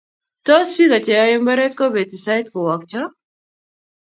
tos, Biko cheyoe imbar kobeti sait kowakcho